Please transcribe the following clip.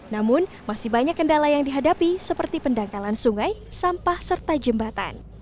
namun masih banyak kendala yang dihadapi seperti pendangkalan sungai sampah serta jembatan